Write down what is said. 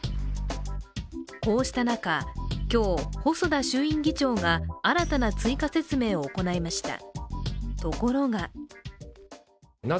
こうした中、今日、細田衆院議長が新たな追加説明を行いました。